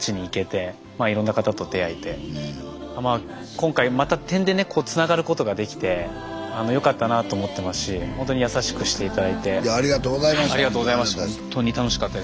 今回また点でねつながることができてよかったなと思ってますしいやありがとうございました。